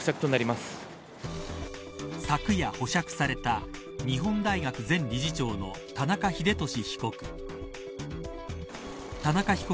昨夜、保釈された日本大学前理事長の田中英寿被告。